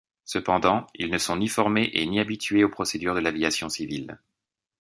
Cependant, ils ne sont ni formés et ni habitués aux procédures de l'aviation civile.